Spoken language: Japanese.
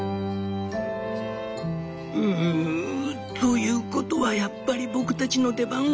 「ウウウウということはやっぱり僕たちの出番はなし。